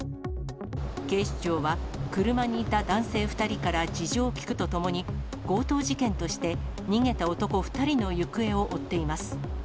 警視庁は、車にいた男性２人から事情を聴くとともに、強盗事件として、逃げた男２人の行方を追っています。